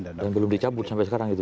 dan belum dicabut sampai sekarang itu